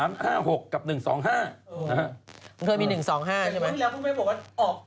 มันเคยมี๑๒๕ใช่ไหมเมื่อกี้แล้วเขาไปบอกว่าออก